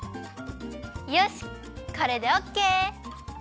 よしこれでオッケー！